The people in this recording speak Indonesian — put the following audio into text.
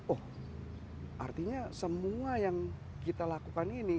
oh artinya semua yang kita lakukan ini